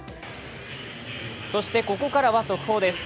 そしてここからは速報です。